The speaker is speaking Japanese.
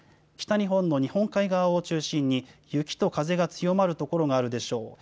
北日本の日本海側を中心に、雪と風が強まる所があるでしょう。